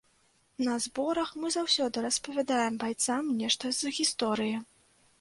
На зборах мы заўсёды распавядаем байцам нешта з гісторыі.